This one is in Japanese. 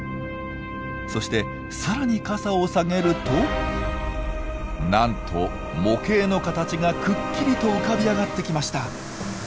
そして更に傘を下げるとなんと模型の形がくっきりと浮かび上がってきました！